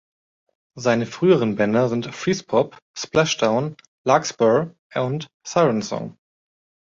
Seine früheren Bänder sind Freezepop, Splashdown, Larkspur und Sirensong.